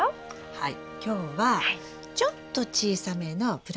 はい。